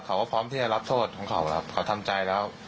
เขาก็พร้อมที่จะรับโทษของเขาครับเขาทำใจแล้ว